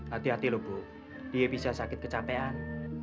hati hati loh bu dia bisa sakit kecapean